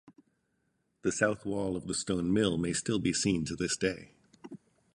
The south wall of the Stone Mill may still be seen to this day.